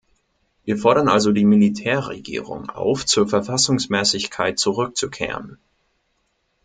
Wir fordern also die Militärregierung auf, zur Verfassungsmäßigkeit zurückzukehren.